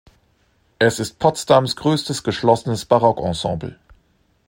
Es ist Potsdams größtes geschlossenes Barockensemble.